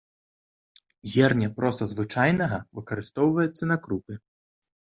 Зерне проса звычайнага выкарыстоўваецца на крупы.